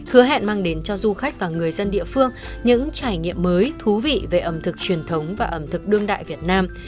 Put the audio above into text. hứa hẹn mang đến cho du khách và người dân địa phương những trải nghiệm mới thú vị về ẩm thực truyền thống và ẩm thực đương đại việt nam